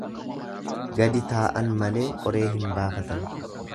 Gadi taa'an malee qoree hin baafatan.